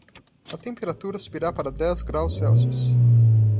A temperatura subirá para dez graus Celsius.